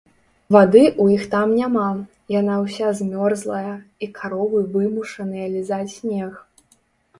Вады ў іх там няма, яна ўся змёрзлая, і каровы вымушаныя лізаць снег.